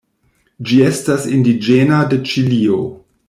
Ĝi estas indiĝena de Ĉilio.